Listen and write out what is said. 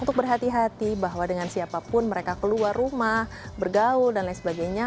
untuk berhati hati bahwa dengan siapapun mereka keluar rumah bergaul dan lain sebagainya